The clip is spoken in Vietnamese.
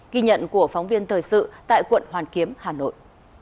ghi nhận của phóng viên thời sự tại quận hoàn kiếm hà nội